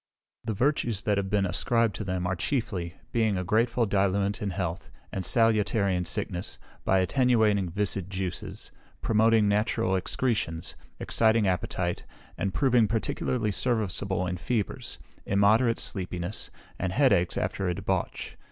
The virtues that have been ascribed to them are chiefly, being a greatful diluent in health, and salutary in sickness, by attenuating viscid juices, promoting natural excretions, exciting appetite, and proving particularly serviceable in fevers, immoderate sleepiness, and head aches after a debauch.